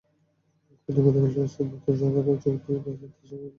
কিন্তু গতকাল নতুন সরকারে যোগ দিয়ে রাজনীতিতে থাকার জোরালো ইঙ্গিতই দিলেন রাজাপক্ষে।